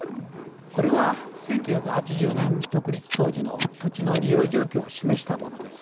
これは１９８０年独立当時の土地の利用状況を示したものです。